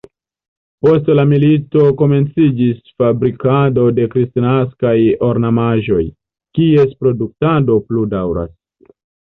Post la milito komenciĝis fabrikado de kristnaskaj ornamaĵoj, kies produktado plu daŭras.